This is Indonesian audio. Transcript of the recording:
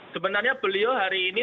sebenarnya beliau hari ini